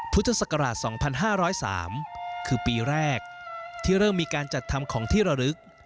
พุทธศักราช๒๕๐๓คือปีแรกที่เริ่มมีการจัดทำของที่ระลึก